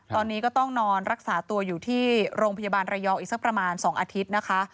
ตอนนี้ก็ต้องนอนรักษาตัวอยู่ที่โรงพยาบาลระยองอีกสักประมาณ๒อาทิตย์นะคะ